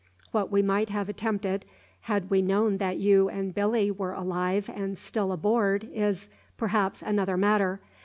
What we might have attempted had we known that you and Billy were alive and still aboard is, perhaps, another matter.